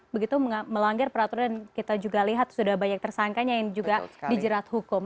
begitu melanggar peraturan kita juga lihat sudah banyak tersangkanya yang juga dijerat hukum